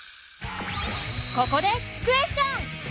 ここでクエスチョン！